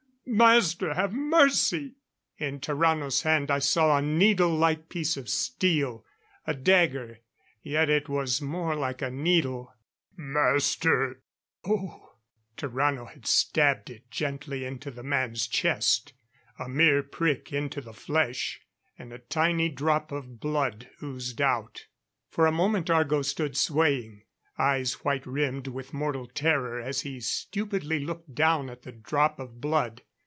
Master! Have mercy!" In Tarrano's hand I saw a needle like piece of steel. A dagger, yet it was more like a needle. "Master Oh " Tarrano had stabbed it gently into the man's chest. A mere prick into the flesh, and a tiny drop of blood oozed out. For a moment Argo stood swaying. Eyes white rimmed with mortal terror as he stupidly looked down at the drop of blood.